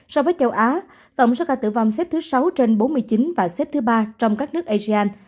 so với châu á tổng số ca tử vong xếp thứ sáu trên bốn mươi chín và xếp thứ ba trong các nước asean